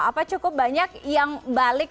apa cukup banyak yang balik